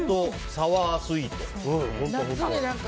サワースウィート。